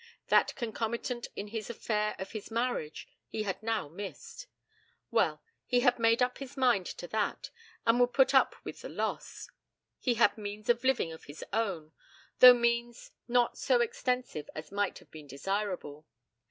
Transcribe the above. That concomitant in this affair of his marriage, he had now missed. Well; he had made up his mind to that, and would put up with the loss. He had means of living of his own, though means not so extensive as might have been desirable.